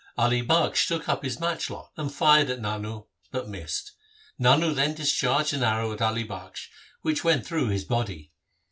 Ali Bakhsh took up his match lock and fired at Nano but missed him. Nano then discharged an arrow at Ali Bakhsh, which went through his body.